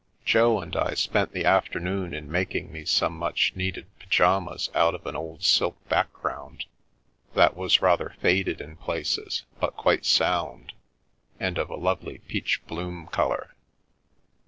Jo and I spent the afternoon in making me some much needed pyjamas out of an old silk " background " that was rather faded in places, but quite sound, and of a lovely peach bloom colour.